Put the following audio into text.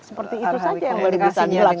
seperti itu saja yang baru bisa dilaksanakan